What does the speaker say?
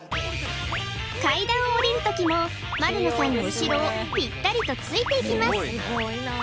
階段を下りる時も丸野さんの後ろをぴったりとついていきます